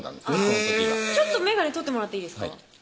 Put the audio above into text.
その時は眼鏡取ってもらっていいですか？